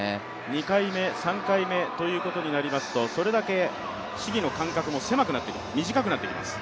２回目、３回目ということになりますと、それだけ試技の間隔も短くなってきます。